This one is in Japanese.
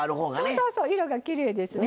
そうそう色がきれいですね。